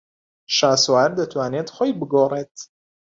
شاسوار دەتوانێت خۆی بگۆڕێت.